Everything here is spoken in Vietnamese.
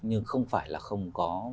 nhưng không phải là không có